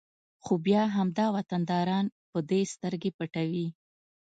خو بیا همدا وطنداران په دې سترګې پټوي